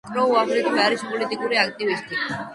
კროუ აგრეთვე არის პოლიტიკური აქტივისტი.